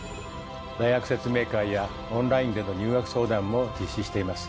大学説明会やオンラインでの入学相談も実施しています。